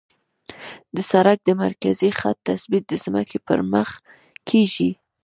د سړک د مرکزي خط تثبیت د ځمکې پر مخ کیږي